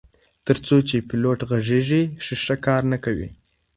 تر څو چې پیلوټ غږیږي شیشه کار نه کوي.